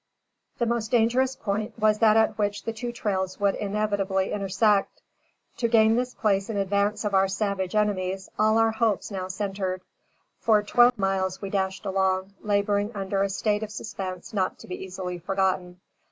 The most dangerous point was that at which the two trails would inevitably intersect. To gain this place in advance of our savage enemies, all our hopes now centered. For twelve miles we dashed along, laboring under a state of suspense not to be easily forgotten.